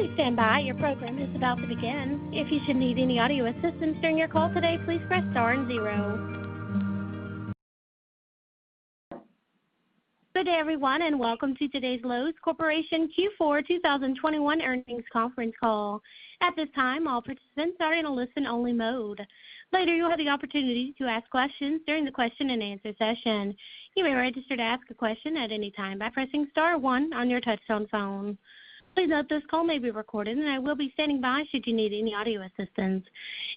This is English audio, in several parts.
Good day, everyone, and welcome to today's Loews Corporation Q4 2021 earnings conference call. At this time, all participants are in a listen-only mode. Later, you'll have the opportunity to ask questions during the question-and-answer session. You may register to ask a question at any time by pressing star one on your touch-tone phone. Please note this call may be recorded, and I will be standing by should you need any audio assistance.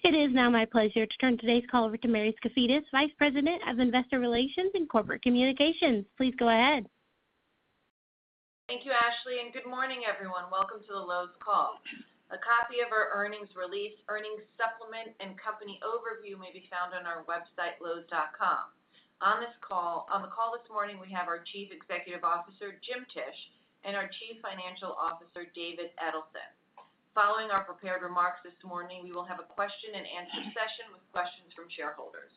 It is now my pleasure to turn today's call over to Mary Skafidas, Vice President of Investor Relations and Corporate Communications. Please go ahead. Thank you, Ashley, and good morning, everyone. Welcome to the Loews call. A copy of our earnings release, earnings supplement, and company overview may be found on our website, loews.com. On the call this morning, we have our Chief Executive Officer, Jim Tisch, and our Chief Financial Officer, David Edelson. Following our prepared remarks this morning, we will have a question-and-answer session with questions from shareholders.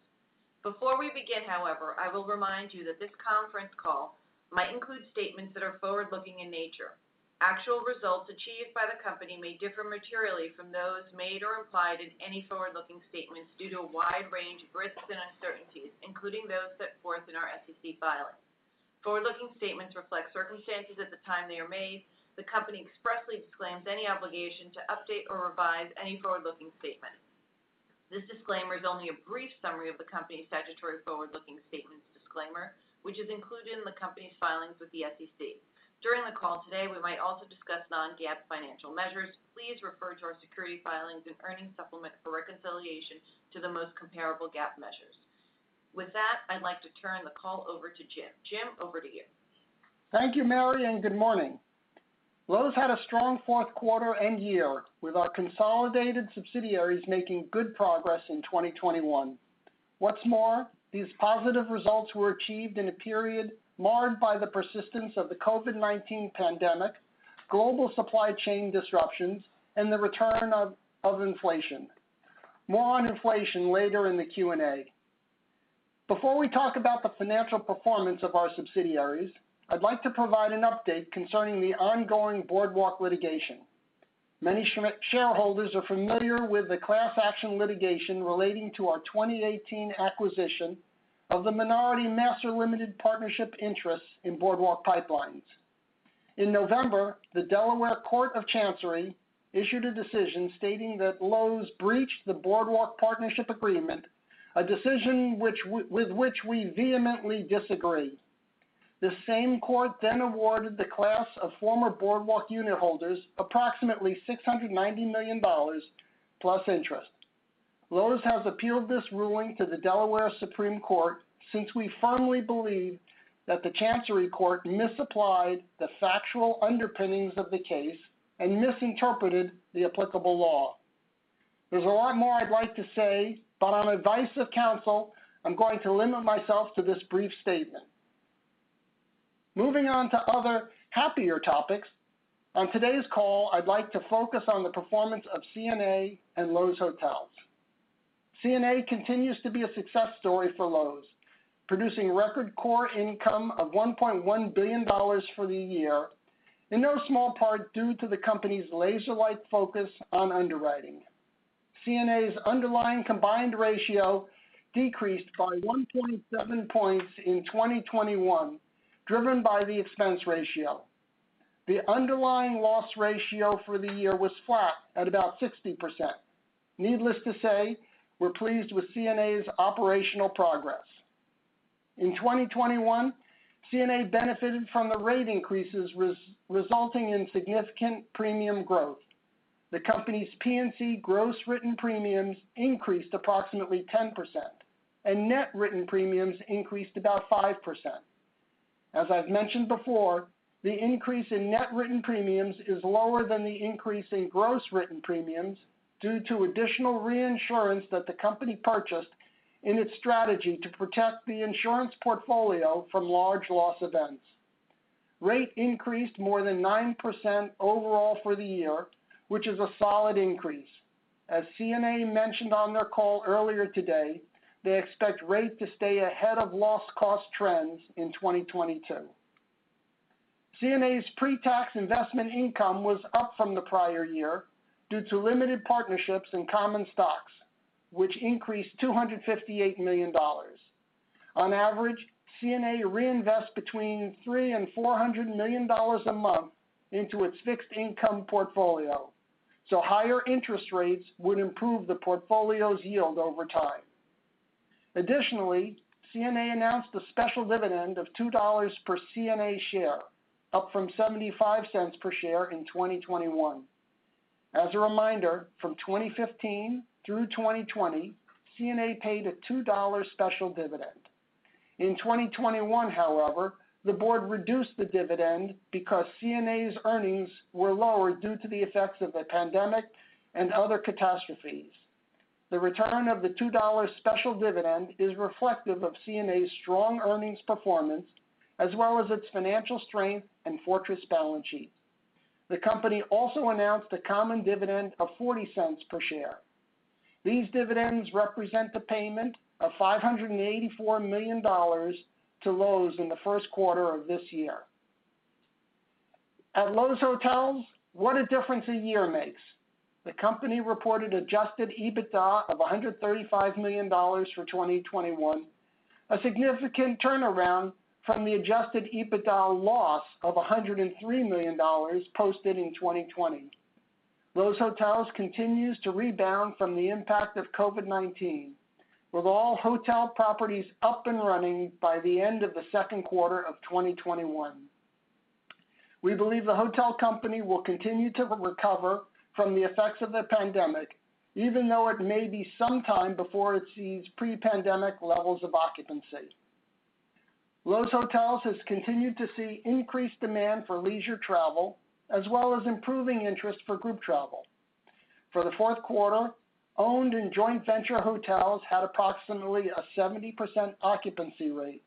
Before we begin, however, I will remind you that this conference call might include statements that are forward-looking in nature. Actual results achieved by the company may differ materially from those made or implied in any forward-looking statements due to a wide range of risks and uncertainties, including those set forth in our SEC filings. Forward-looking statements reflect circumstances at the time they are made. The company expressly disclaims any obligation to update or revise any forward-looking statement. This disclaimer is only a brief summary of the company's statutory forward-looking statements disclaimer, which is included in the company's filings with the SEC. During the call today, we might also discuss non-GAAP financial measures. Please refer to our securities filings and earnings supplement for reconciliation to the most comparable GAAP measures. With that, I'd like to turn the call over to Jim. Jim, over to you. Thank you, Mary, and good morning. Loews had a strong fourth quarter and year, with our consolidated subsidiaries making good progress in 2021. What's more, these positive results were achieved in a period marred by the persistence of the COVID-19 pandemic, global supply chain disruptions, and the return of inflation. More on inflation later in the Q&A. Before we talk about the financial performance of our subsidiaries, I'd like to provide an update concerning the ongoing Boardwalk litigation. Many shareholders are familiar with the class action litigation relating to our 2018 acquisition of the minority master limited partnership interest in Boardwalk Pipelines. In November, the Delaware Court of Chancery issued a decision stating that Loews breached the Boardwalk partnership agreement, a decision with which we vehemently disagree. The same court then awarded the class of former Boardwalk unitholders approximately $690 million, plus interest. Loews has appealed this ruling to the Delaware Supreme Court since we firmly believe that the Chancery Court misapplied the factual underpinnings of the case and misinterpreted the applicable law. There's a lot more I'd like to say, but on advice of counsel, I'm going to limit myself to this brief statement. Moving on to other happier topics, on today's call, I'd like to focus on the performance of CNA and Loews Hotels. CNA continues to be a success story for Loews, producing record core income of $1.1 billion for the year, in no small part due to the company's laser-like focus on underwriting. CNA's underlying combined ratio decreased by 1.27 points in 2021, driven by the expense ratio. The underlying loss ratio for the year was flat at about 60%. Needless to say, we're pleased with CNA's operational progress. In 2021, CNA benefited from the rate increases resulting in significant premium growth. The company's P&C gross written premiums increased approximately 10%, and net written premiums increased about 5%. As I've mentioned before, the increase in net written premiums is lower than the increase in gross written premiums due to additional reinsurance that the company purchased in its strategy to protect the insurance portfolio from large loss events. Rates increased more than 9% overall for the year, which is a solid increase. As CNA mentioned on their call earlier today, they expect rate to stay ahead of loss cost trends in 2022. CNA's pre-tax investment income was up from the prior year due to limited partnerships in common stocks, which increased $258 million. On average, CNA reinvests between $300 million and $400 million a month into its fixed income portfolio, so higher interest rates would improve the portfolio's yield over time. Additionally, CNA announced a special dividend of $2 per CNA share, up from $0.75 per share in 2021. As a reminder, from 2015 through 2020, CNA paid a $2 special dividend. In 2021, however, the board reduced the dividend because CNA's earnings were lower due to the effects of the pandemic and other catastrophes. The return of the $2 special dividend is reflective of CNA's strong earnings performance as well as its financial strength and fortress balance sheet. The company also announced a common dividend of 40 cents per share. These dividends represent the payment of $584 million to Loews in the first quarter of this year. At Loews Hotels, what a difference a year makes. The company reported adjusted EBITDA of $135 million for 2021, a significant turnaround from the adjusted EBITDA loss of $103 million posted in 2020. Loews Hotels continues to rebound from the impact of COVID-19, with all hotel properties up and running by the end of the second quarter of 2021. We believe the hotel company will continue to recover from the effects of the pandemic, even though it may be some time before it sees pre-pandemic levels of occupancy. Loews Hotels has continued to see increased demand for leisure travel as well as improving interest for group travel. For the fourth quarter, owned and joint venture hotels had approximately a 70% occupancy rate,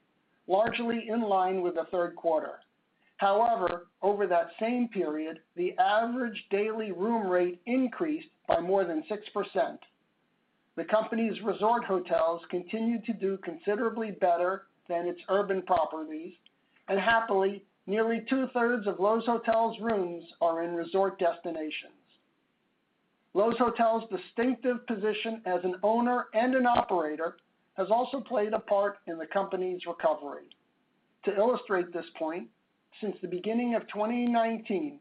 largely in line with the third quarter. However, over that same period, the average daily room rate increased by more than 6%. The company's resort hotels continued to do considerably better than its urban properties, and happily, nearly two-thirds of Loews Hotels rooms are in resort destinations. Loews Hotels' distinctive position as an owner and an operator has also played a part in the company's recovery. To illustrate this point, since the beginning of 2019,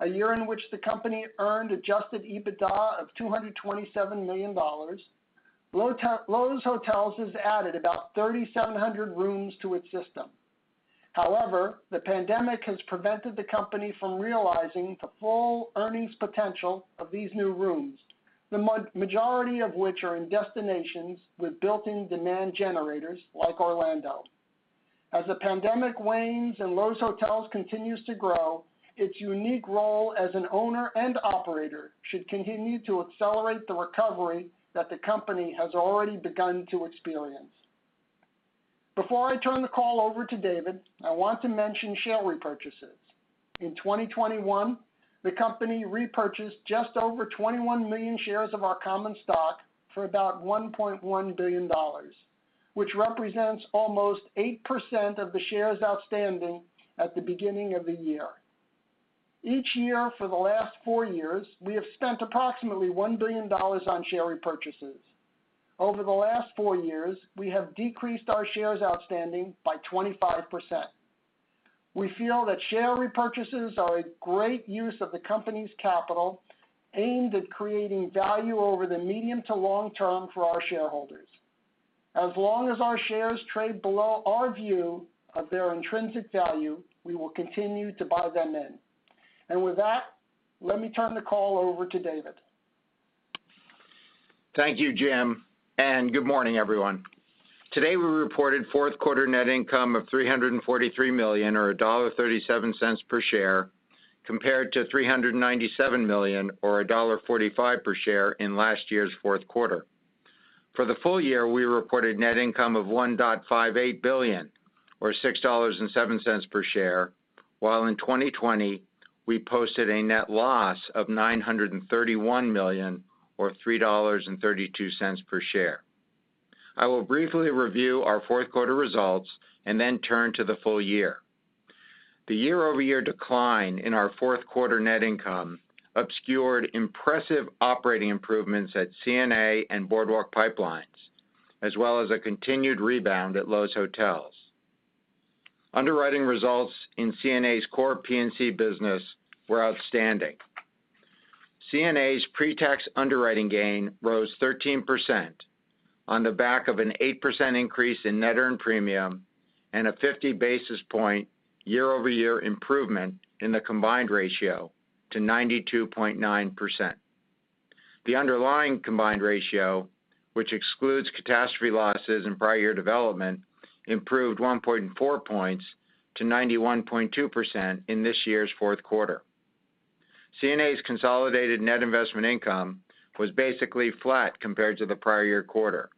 a year in which the company earned adjusted EBITDA of $227 million, Loews Hotels has added about 3,700 rooms to its system. However, the pandemic has prevented the company from realizing the full earnings potential of these new rooms, the majority of which are in destinations with built-in demand generators like Orlando. As the pandemic wanes and Loews Hotels continues to grow, its unique role as an owner and operator should continue to accelerate the recovery that the company has already begun to experience. Before I turn the call over to David, I want to mention share repurchases. In 2021, the company repurchased just over 21 million shares of our common stock for about $1.1 billion, which represents almost 8% of the shares outstanding at the beginning of the year. Each year for the last 4 years, we have spent approximately $1 billion on share repurchases. Over the last four years, we have decreased our shares outstanding by 25%. We feel that share repurchases are a great use of the company's capital, aimed at creating value over the medium to long term for our shareholders. As long as our shares trade below our view of their intrinsic value, we will continue to buy them in. With that, let me turn the call over to David. Thank you, Jim, and good morning, everyone. Today we reported fourth quarter net income of $343 million or $1.37 per share, compared to $397 million or $1.45 per share in last year's fourth quarter. For the full year, we reported net income of $1.58 billion or $6.07 per share, while in 2020, we posted a net loss of $931 million or $3.32 per share. I will briefly review our fourth quarter results and then turn to the full year. The year-over-year decline in our fourth quarter net income obscured impressive operating improvements at CNA and Boardwalk Pipelines, as well as a continued rebound at Loews Hotels. Underwriting results in CNA's core P&C business were outstanding. CNA's pretax underwriting gain rose 13% on the back of an 8% increase in net earned premium and a 50 basis point year-over-year improvement in the combined ratio to 92.9%. The underlying combined ratio, which excludes catastrophe losses and prior year development, improved 1.4 points to 91.2% in this year's fourth quarter. CNA's consolidated net investment income was basically flat compared to the prior-year quarter.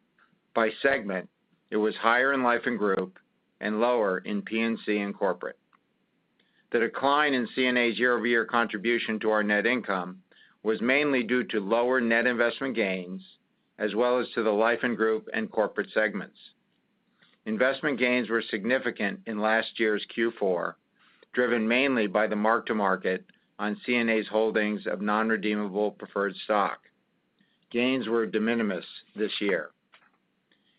By segment, it was higher in Life & Group and lower in P&C and Corporate. The decline in CNA's year-over-year contribution to our net income was mainly due to lower net investment gains as well as to the Life & Group and Corporate segments. Investment gains were significant in last year's Q4, driven mainly by the mark-to-market on CNA's holdings of non-redeemable preferred stock. Gains were de minimis this year.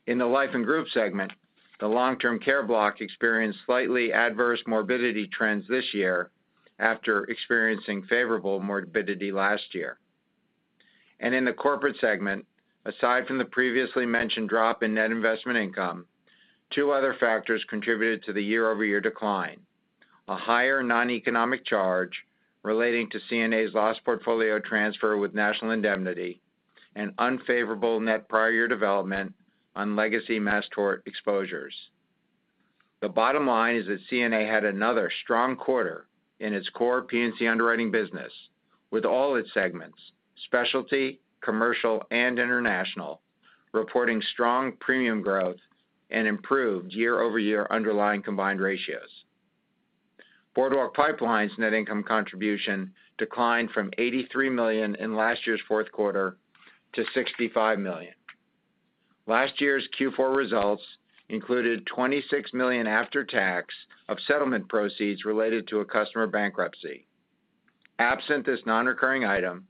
In the Life & Group segment, the long-term care block experienced slightly adverse morbidity trends this year after experiencing favorable morbidity last year. In the Corporate segment, aside from the previously mentioned drop in net investment income, two other factors contributed to the year-over-year decline, a higher non-economic charge relating to CNA's loss portfolio transfer with National Indemnity and unfavorable net prior year development on legacy mass tort exposures. The bottom line is that CNA had another strong quarter in its core P&C underwriting business, with all its segments, Specialty, Commercial and International, reporting strong premium growth and improved year-over-year underlying combined ratios. Boardwalk Pipelines' net income contribution declined from $83 million in last year's fourth quarter to $65 million. Last year's Q4 results included $26 million after tax of settlement proceeds related to a customer bankruptcy. Absent this non-recurring item,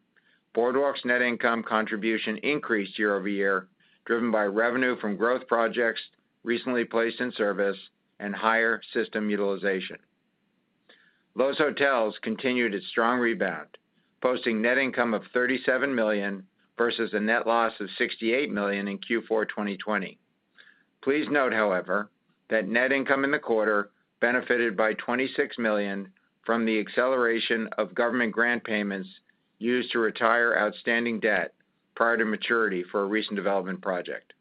Boardwalk's net income contribution increased year-over-year, driven by revenue from growth projects recently placed in service and higher system utilization. Loews Hotels continued its strong rebound, posting net income of $37 million versus a net loss of $68 million in Q4 2020. Please note, however, that net income in the quarter benefited by $26 million from the acceleration of government grant payments used to retire outstanding debt prior to maturity for a recent development project.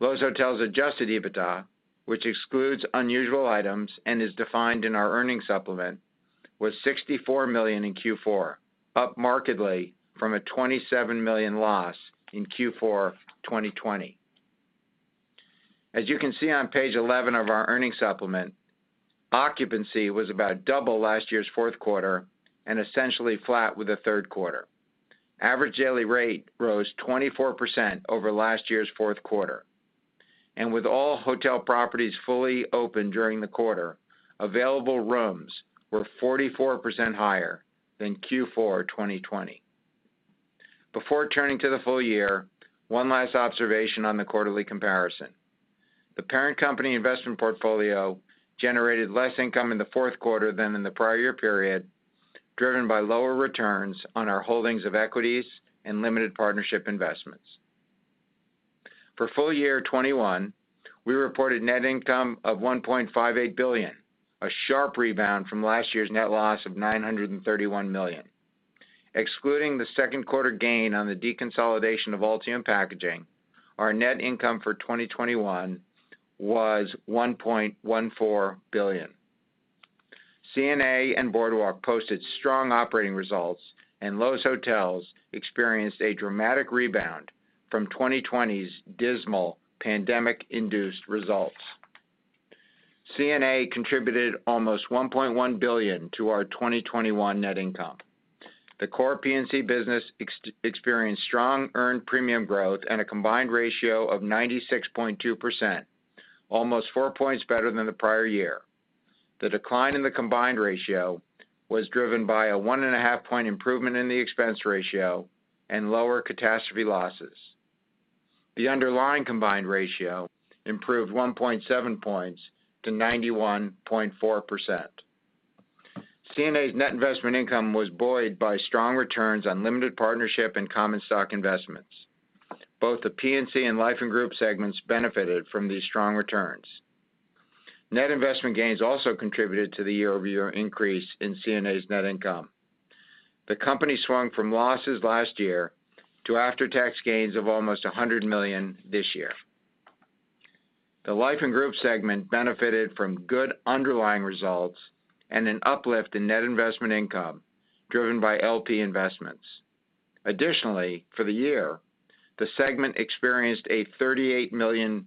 Loews Hotels adjusted EBITDA, which excludes unusual items and is defined in our earnings supplement, was $64 million in Q4, up markedly from a $27 million loss in Q4 2020. As you can see on page 11 of our earnings supplement, occupancy was about double last year's fourth quarter and essentially flat with the third quarter. Average daily rate rose 24% over last year's fourth quarter. With all hotel properties fully open during the quarter, available rooms were 44% higher than Q4 2020. Before turning to the full year, one last observation on the quarterly comparison. The parent company investment portfolio generated less income in the fourth quarter than in the prior year period, driven by lower returns on our holdings of equities and limited partnership investments. For full year 2021, we reported net income of $1.58 billion, a sharp rebound from last year's net loss of $931 million. Excluding the second quarter gain on the deconsolidation of Altium Packaging, our net income for 2021 was $1.14 billion. CNA and Boardwalk posted strong operating results, and Loews Hotels experienced a dramatic rebound from 2020's dismal pandemic-induced results. CNA contributed almost $1.1 billion to our 2021 net income. The core P&C business experienced strong earned premium growth and a combined ratio of 96.2%, almost 4 points better than the prior year. The decline in the combined ratio was driven by a 1.5-point improvement in the expense ratio and lower catastrophe losses. The underlying combined ratio improved 1.7 points to 91.4%. CNA's net investment income was buoyed by strong returns on limited partnership and common stock investments. Both the P&C and Life & Group segments benefited from these strong returns. Net investment gains also contributed to the year-over-year increase in CNA's net income. The company swung from losses last year to after-tax gains of almost $100 million this year. The Life & Group segment benefited from good underlying results and an uplift in net investment income driven by LP investments. Additionally, for the year, the segment experienced a $38 million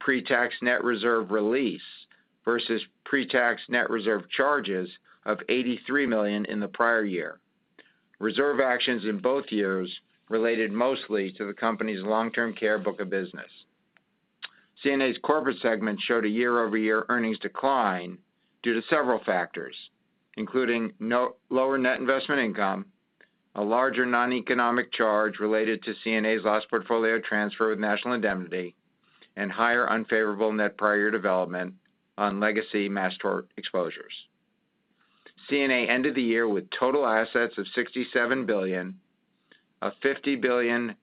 pre-tax net reserve release versus pre-tax net reserve charges of $83 million in the prior year. Reserve actions in both years related mostly to the company's long-term care book of business. CNA's Corporate segment showed a year-over-year earnings decline due to several factors, including lower net investment income, a larger non-economic charge related to CNA's last portfolio transfer with National Indemnity, and higher unfavorable net prior development on legacy mass tort exposures. CNA ended the year with total assets of $67 billion, a $50 billion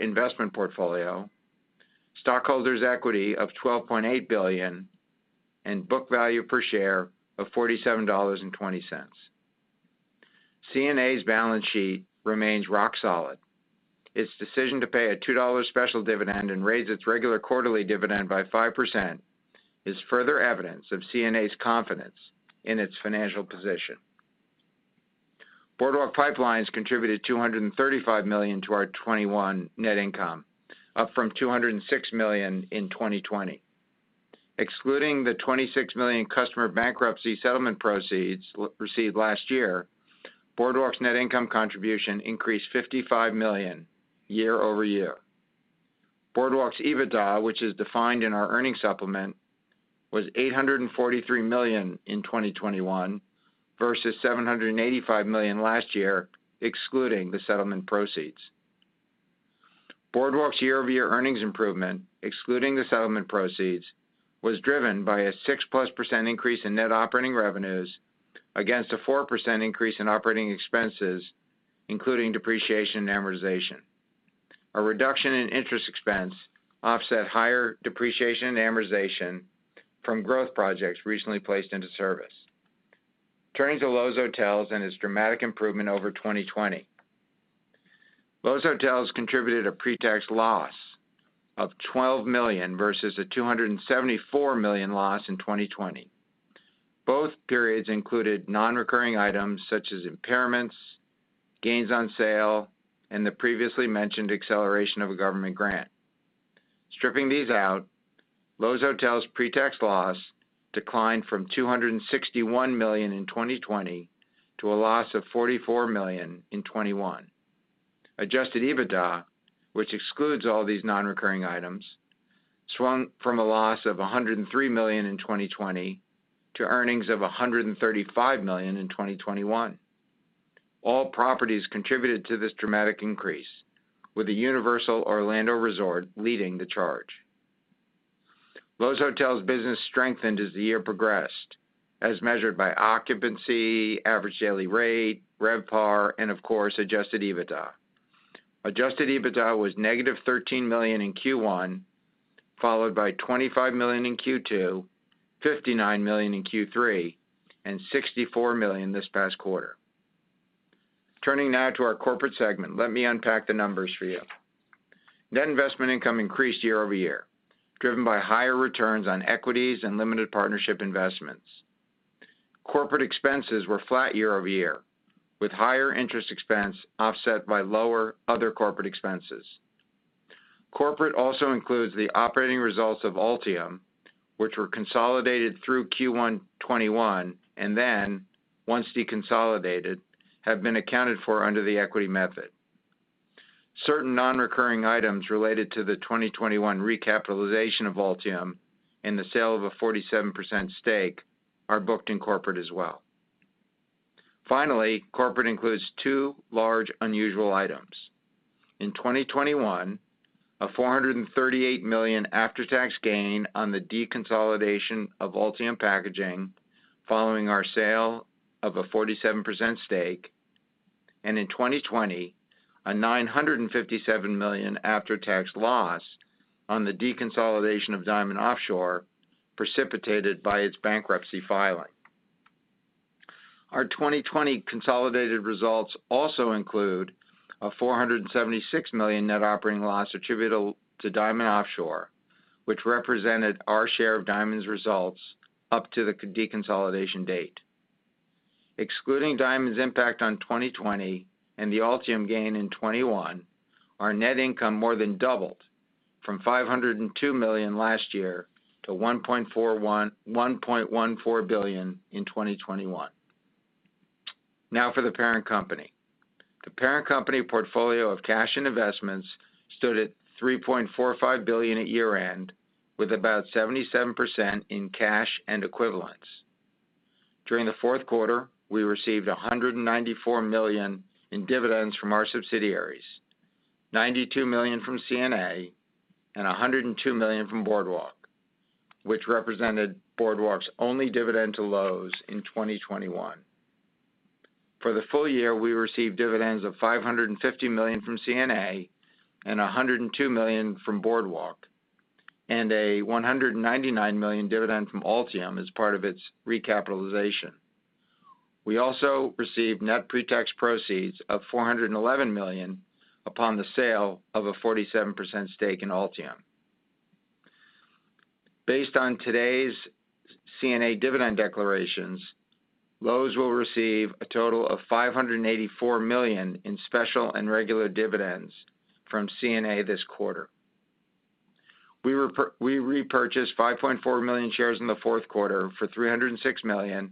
investment portfolio, stockholders' equity of $12.8 billion, and book value per share of $47.20. CNA's balance sheet remains rock solid. Its decision to pay a $2 special dividend and raise its regular quarterly dividend by 5% is further evidence of CNA's confidence in its financial position. Boardwalk Pipelines contributed $235 million to our 2021 net income, up from $206 million in 2020. Excluding the $26 million customer bankruptcy settlement proceeds received last year, Boardwalk's net income contribution increased $55 million year-over-year. Boardwalk's EBITDA, which is defined in our earnings supplement, was $843 million in 2021 versus $785 million last year, excluding the settlement proceeds. Boardwalk's year-over-year earnings improvement, excluding the settlement proceeds, was driven by a 6%+ increase in net operating revenues against a 4% increase in operating expenses, including depreciation and amortization. A reduction in interest expense offset higher depreciation and amortization from growth projects recently placed into service. Turning to Loews Hotels and its dramatic improvement over 2020. Loews Hotels contributed a pre-tax loss of $12 million versus a $274 million loss in 2020. Both periods included non-recurring items such as impairments, gains on sale, and the previously mentioned acceleration of a government grant. Stripping these out, Loews Hotels pre-tax loss declined from $261 million in 2020 to a loss of $44 million in 2021. Adjusted EBITDA, which excludes all these non-recurring items, swung from a loss of $103 million in 2020 to earnings of $135 million in 2021. All properties contributed to this dramatic increase, with the Universal Orlando Resort leading the charge. Loews Hotels business strengthened as the year progressed, as measured by occupancy, average daily rate, RevPAR and of course, adjusted EBITDA. Adjusted EBITDA was negative $13 million in Q1, followed by $25 million in Q2, $59 million in Q3, and $64 million this past quarter. Turning now to our corporate segment, let me unpack the numbers for you. Net investment income increased year-over-year, driven by higher returns on equities and limited partnership investments. Corporate expenses were flat year-over-year, with higher interest expense offset by lower other corporate expenses. Corporate also includes the operating results of Altium, which were consolidated through Q1 2021 and then once deconsolidated, have been accounted for under the equity method. Certain non-recurring items related to the 2021 recapitalization of Altium and the sale of a 47% stake are booked in corporate as well. Finally, corporate includes two large unusual items. In 2021, a $438 million after-tax gain on the deconsolidation of Altium Packaging following our sale of a 47% stake, and in 2020, a $957 million after-tax loss on the deconsolidation of Diamond Offshore precipitated by its bankruptcy filing. Our 2020 consolidated results also include a $476 million net operating loss attributable to Diamond Offshore, which represented our share of Diamond's results up to the deconsolidation date. Excluding Diamond's impact on 2020 and the Altium gain in 2021, our net income more than doubled from $502 million last year to $1.14 billion in 2021. Now for the parent company. The parent company portfolio of cash and investments stood at $3.45 billion at year-end, with about 77% in cash and equivalents. During the fourth quarter, we received $194 million in dividends from our subsidiaries, $92 million from CNA and $102 million from Boardwalk, which represented Boardwalk's only dividend to Loews in 2021. For the full year, we received dividends of $550 million from CNA and $102 million from Boardwalk, and a $199 million dividend from Altium as part of its recapitalization. We also received net pre-tax proceeds of $411 million upon the sale of a 47% stake in Altium. Based on today's CNA dividend declarations, Loews will receive a total of $584 million in special and regular dividends from CNA this quarter. We repurchased 5.4 million shares in the fourth quarter for $306 million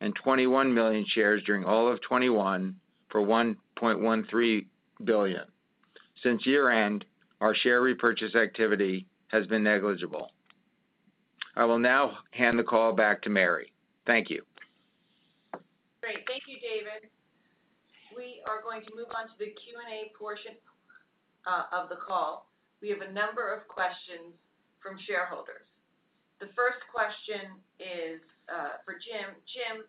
and 21 million shares during all of 2021 for $1.13 billion. Since year-end, our share repurchase activity has been negligible. I will now hand the call back to Mary. Thank you. Great. Thank you, David. We are going to move on to the Q&A portion of the call. We have a number of questions from shareholders. The first question is for Jim. Jim,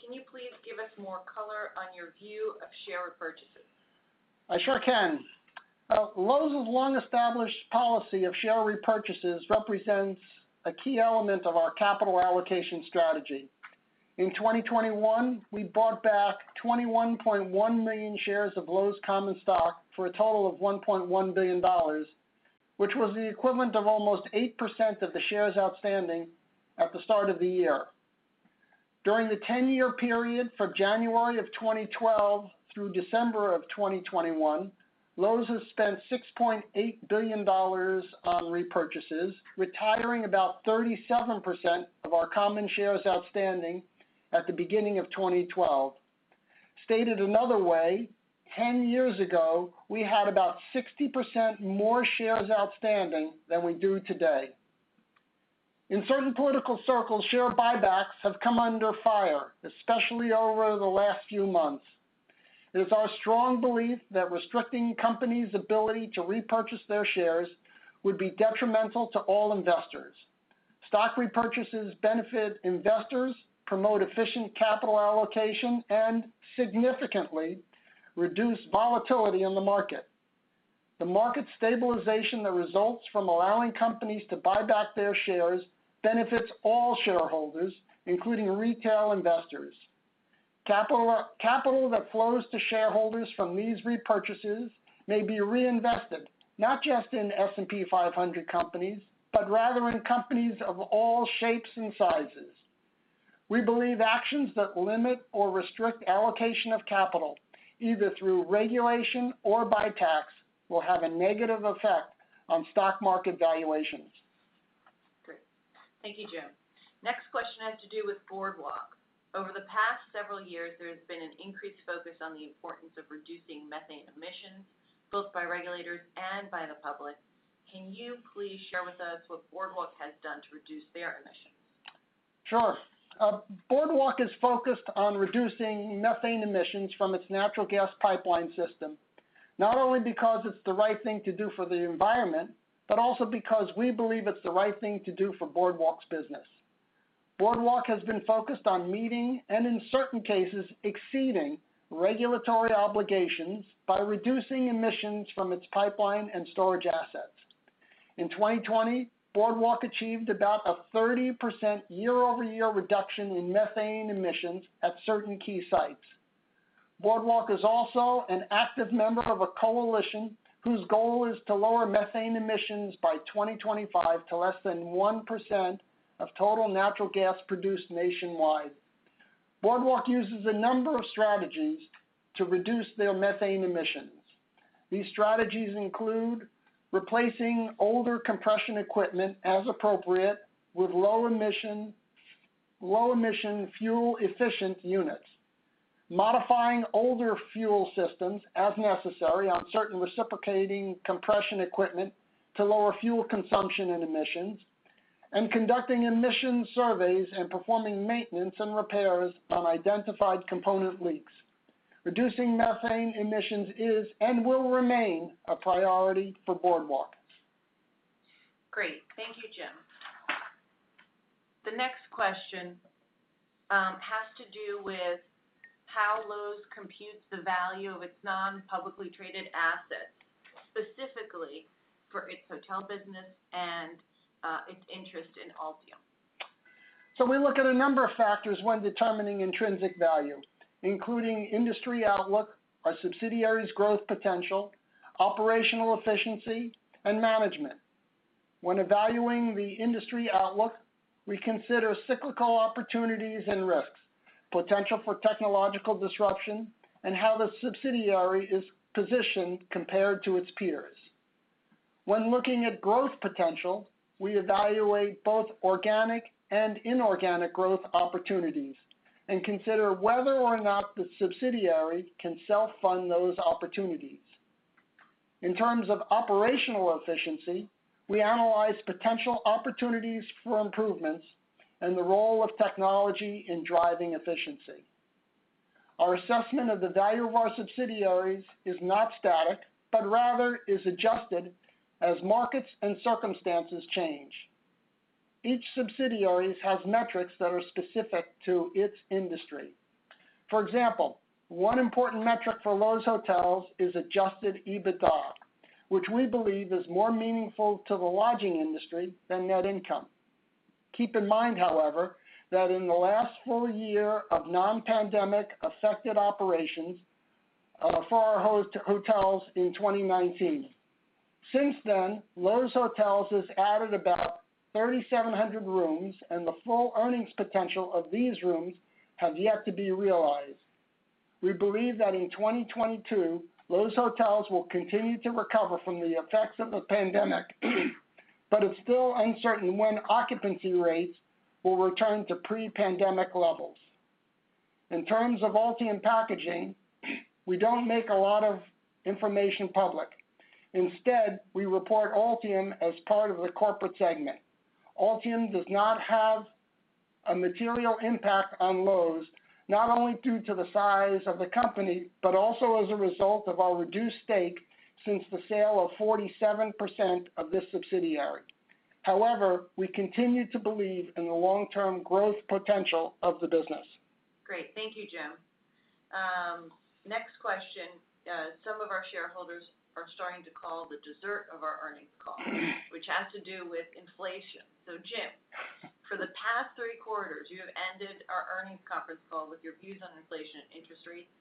can you please give us more color on your view of share repurchases? I sure can. Loews' long-established policy of share repurchases represents a key element of our capital allocation strategy. In 2021, we bought back 21.1 million shares of Loews common stock for a total of $1.1 billion, which was the equivalent of almost 8% of the shares outstanding at the start of the year. During the 10-year period from January 2012 through December 2021, Loews has spent $6.8 billion on repurchases, retiring about 37% of our common shares outstanding at the beginning of 2012. Stated another way, 10 years ago, we had about 60% more shares outstanding than we do today. In certain political circles, share buybacks have come under fire, especially over the last few months. It is our strong belief that restricting companies' ability to repurchase their shares would be detrimental to all investors. Stock repurchases benefit investors, promote efficient capital allocation, and significantly reduce volatility in the market. The market stabilization that results from allowing companies to buy back their shares benefits all shareholders, including retail investors. Capital that flows to shareholders from these repurchases may be reinvested, not just in S&P 500 companies, but rather in companies of all shapes and sizes. We believe actions that limit or restrict allocation of capital, either through regulation or by tax, will have a negative effect on stock market valuations. Great. Thank you, Jim. Next question has to do with Boardwalk. Over the past several years, there has been an increased focus on the importance of reducing methane emissions, both by regulators and by the public. Can you please share with us what Boardwalk has done to reduce their emissions? Sure. Boardwalk is focused on reducing methane emissions from its natural gas pipeline system, not only because it's the right thing to do for the environment, but also because we believe it's the right thing to do for Boardwalk's business. Boardwalk has been focused on meeting, and in certain cases, exceeding regulatory obligations by reducing emissions from its pipeline and storage assets. In 2020, Boardwalk achieved about a 30% year-over-year reduction in methane emissions at certain key sites. Boardwalk is also an active member of a coalition whose goal is to lower methane emissions by 2025 to less than 1% of total natural gas produced nationwide. Boardwalk uses a number of strategies to reduce their methane emissions. These strategies include replacing older compression equipment as appropriate with low-emission, fuel-efficient units. Modifying older fuel systems as necessary on certain reciprocating compression equipment to lower fuel consumption and emissions, and conducting emission surveys and performing maintenance and repairs on identified component leaks. Reducing methane emissions is, and will remain, a priority for Boardwalk. Great. Thank you, Jim. The next question has to do with how Loews computes the value of its non-publicly traded assets, specifically for its hotel business and its interest in Altium. We look at a number of factors when determining intrinsic value, including industry outlook, our subsidiary's growth potential, operational efficiency, and management. When evaluating the industry outlook, we consider cyclical opportunities and risks, potential for technological disruption, and how the subsidiary is positioned compared to its peers. When looking at growth potential, we evaluate both organic and inorganic growth opportunities and consider whether or not the subsidiary can self-fund those opportunities. In terms of operational efficiency, we analyze potential opportunities for improvements and the role of technology in driving efficiency. Our assessment of the value of our subsidiaries is not static, but rather is adjusted as markets and circumstances change. Each subsidiary has metrics that are specific to its industry. For example, one important metric for Loews Hotels is adjusted EBITDA, which we believe is more meaningful to the lodging industry than net income. Keep in mind, however, that in the last full year of non-pandemic affected operations, for our hotels in 2019. Since then, Loews Hotels has added about 3,700 rooms and the full earnings potential of these rooms have yet to be realized. We believe that in 2022, Loews Hotels will continue to recover from the effects of the pandemic, but it's still uncertain when occupancy rates will return to pre-pandemic levels. In terms of Altium Packaging, we don't make a lot of information public. Instead, we report Altium as part of the corporate segment. Altium does not have a material impact on Loews, not only due to the size of the company, but also as a result of our reduced stake since the sale of 47% of this subsidiary. However, we continue to believe in the long-term growth potential of the business. Great. Thank you, Jim. Next question. Some of our shareholders are starting to call the dessert of our earnings call, which has to do with inflation. Jim, for the past three quarters, you have ended our earnings conference call with your views on inflation interest rates.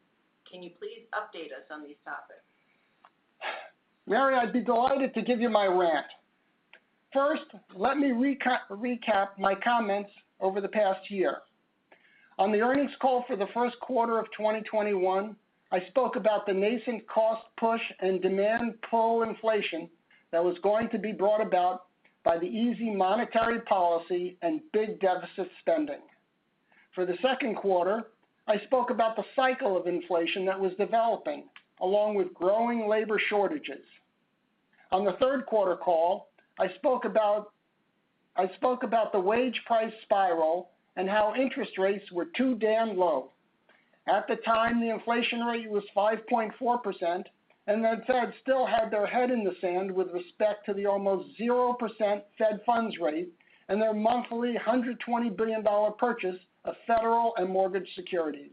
Can you please update us on these topics? Mary, I'd be delighted to give you my rant. First, let me recap my comments over the past year. On the earnings call for the first quarter of 2021, I spoke about the nascent cost push and demand pull inflation that was going to be brought about by the easy monetary policy and big deficit spending. For the second quarter, I spoke about the cycle of inflation that was developing, along with growing labor shortages. On the third quarter call, I spoke about the wage price spiral and how interest rates were too damn low. At the time, the inflation rate was 5.4%, and the Fed still had their head in the sand with respect to the almost 0% Fed funds rate and their monthly $120 billion purchase of federal and mortgage securities.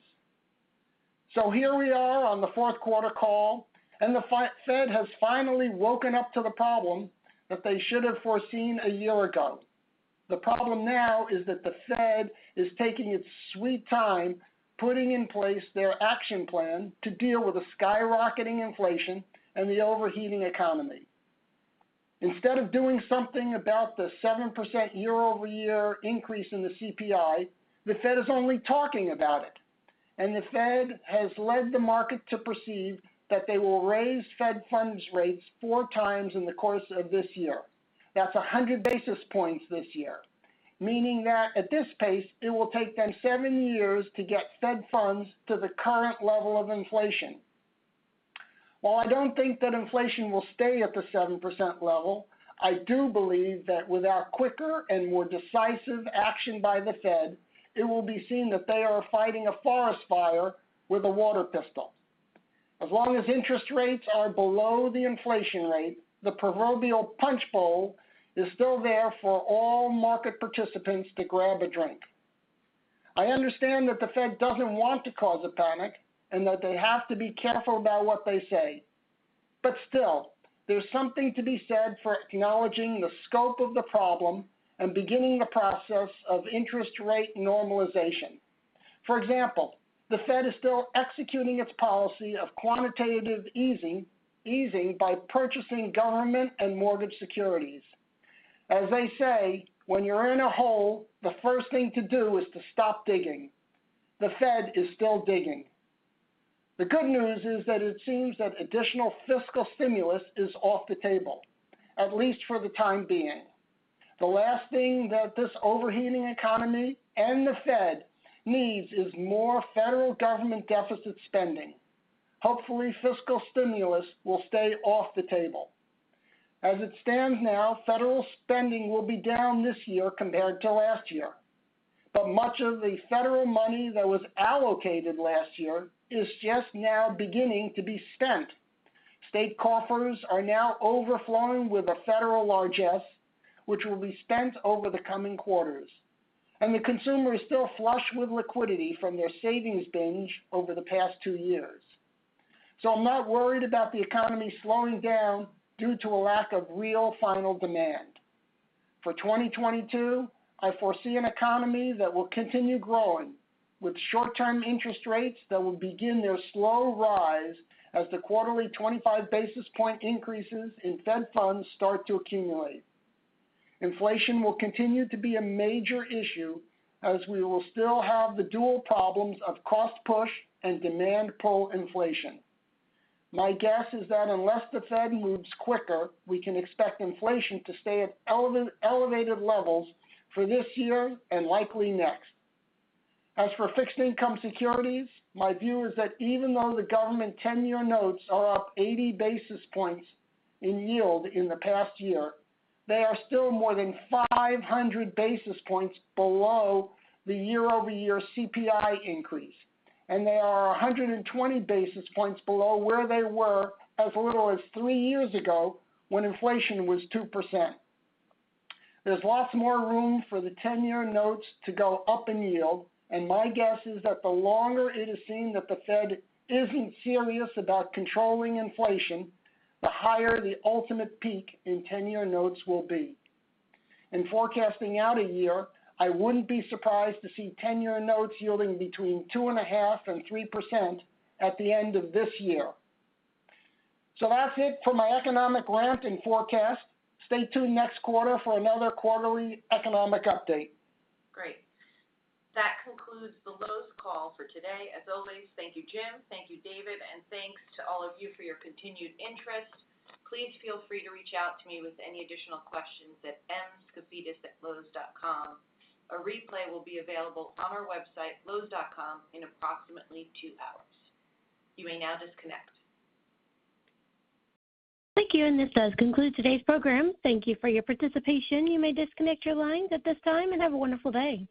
Here we are on the fourth quarter call, and the Fed has finally woken up to the problem that they should have foreseen a year ago. The problem now is that the Fed is taking its sweet time putting in place their action plan to deal with the skyrocketing inflation and the overheating economy. Instead of doing something about the 7% year-over-year increase in the CPI, the Fed is only talking about it. The Fed has led the market to perceive that they will raise Fed funds rates four times in the course of this year. That's 100 basis points this year, meaning that at this pace, it will take them seven years to get Fed funds to the current level of inflation. While I don't think that inflation will stay at the 7% level, I do believe that without quicker and more decisive action by the Fed, it will be seen that they are fighting a forest fire with a water pistol. As long as interest rates are below the inflation rate, the proverbial punch bowl is still there for all market participants to grab a drink. I understand that the Fed doesn't want to cause a panic and that they have to be careful about what they say. But still, there's something to be said for acknowledging the scope of the problem and beginning the process of interest rate normalization. For example, the Fed is still executing its policy of quantitative easing by purchasing government and mortgage securities. As they say, when you're in a hole, the first thing to do is to stop digging. The Fed is still digging. The good news is that it seems that additional fiscal stimulus is off the table, at least for the time being. The last thing that this overheating economy and the Fed needs is more federal government deficit spending. Hopefully, fiscal stimulus will stay off the table. As it stands now, federal spending will be down this year compared to last year. Much of the federal money that was allocated last year is just now beginning to be spent. State coffers are now overflowing with the federal largesse, which will be spent over the coming quarters. The consumer is still flush with liquidity from their savings binge over the past two years. I'm not worried about the economy slowing down due to a lack of real final demand. For 2022, I foresee an economy that will continue growing with short-term interest rates that will begin their slow rise as the quarterly 25 basis point increases in Fed funds start to accumulate. Inflation will continue to be a major issue as we will still have the dual problems of cost push and demand pull inflation. My guess is that unless the Fed moves quicker, we can expect inflation to stay at elevated levels for this year and likely next. As for fixed income securities, my view is that even though the government 10-year notes are up 80 basis points in yield in the past year, they are still more than 500 basis points below the year-over-year CPI increase, and they are 120 basis points below where they were as little as three years ago when inflation was 2%. There's lots more room for the ten-year notes to go up in yield, and my guess is that the longer it is seen that the Fed isn't serious about controlling inflation, the higher the ultimate peak in ten-year notes will be. In forecasting out a year, I wouldn't be surprised to see ten-year notes yielding between 2.5% and 3% at the end of this year. That's it for my economic rant and forecast. Stay tuned next quarter for another quarterly economic update. Great. That concludes the Loews call for today. As always, thank you, Jim, thank you, David, and thanks to all of you for your continued interest. Please feel free to reach out to me with any additional questions at mscafidis@loews.com. A replay will be available on our website, loews.com in approximately two hours. You may now disconnect. Thank you, and this does conclude today's program. Thank you for your participation. You may disconnect your lines at this time and have a wonderful day.